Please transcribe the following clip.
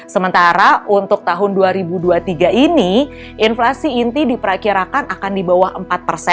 sementara untuk tahun dua ribu dua puluh tiga ini inflasi inti diperkirakan akan di bawah empat persen